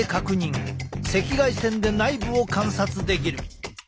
赤外線で内部を観察できる。